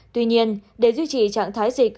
tuy nhiên để duy trì trạng thái dịch